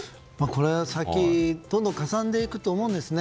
この先どんどんかさんでいくと思うんですね。